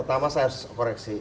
pertama saya harus koreksi